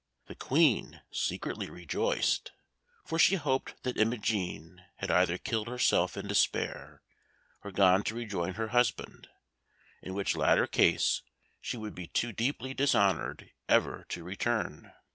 The Queen secretly rejoiced, for she hoped that Imogen had either killed herself in despair, or gone to rejoin her husband, in which latter case she would be too deeply dishonoured ever to return.